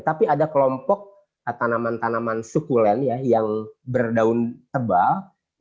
tapi ada kelompok tanaman tanaman sukulen yang berdaun tebal